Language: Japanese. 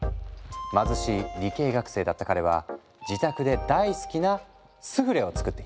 貧しい理系学生だった彼は自宅で大好きなスフレを作っていた。